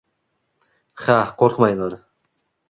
Ha, qoʻrqmayman.